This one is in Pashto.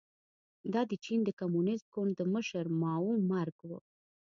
دا د چین د کمونېست ګوند د مشر ماوو مرګ و.